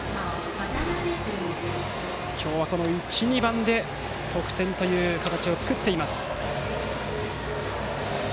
今日は１、２番で得点という形を作っています、おかやま山陽。